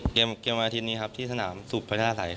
เกมวันอาทิตย์นี้ครับที่สนามสุขพัฒนาสัย